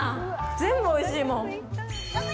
全部おいしいもん。